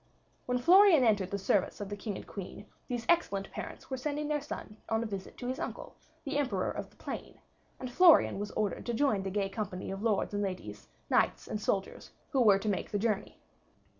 When Florian entered the service of the King and Queen, these excellent parents were sending their son on a visit to his uncle, the Emperor of the Plain, and Florian was ordered to join the gay company of lords and ladies, knights and soldiers, who were to make the journey.